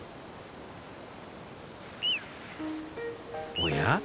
おや？